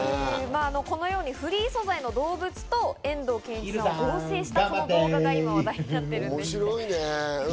このようにフリー素材の動物と遠藤憲一さんのモノマネを合成した動画が話題になっているんです。